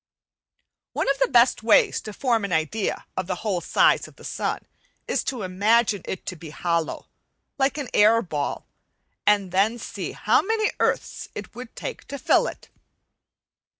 One of the best ways to form an idea of the whole size of the sun is to imagine it to be hollow, like an air ball, and then see how many earths it would take to fill it.